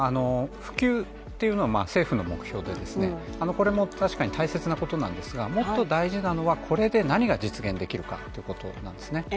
普及というのは政府の目標で、これも確かに大切なことなんですがもっと大事なのは、これで何が実現できるかということなんですね。